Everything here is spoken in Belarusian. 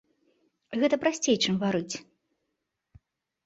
Гэта прасцей, чым варыць.